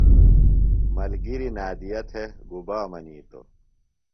ملگِریۡ نادیہ تھےۡ گُبا منِیتوۡ؟